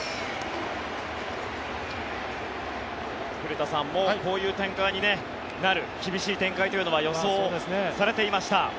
古田さん、もうこういう展開になる厳しい展開になることは予想されていました。